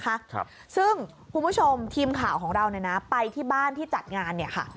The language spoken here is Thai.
ครับซึ่งคุณผู้ชมทีมข่าวของเราเนี่ยนะไปที่บ้านที่จัดงานเนี่ยค่ะ